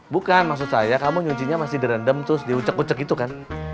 bukan maksud saya kamu nyucinya masih direndam terus diucek ucek gitu kan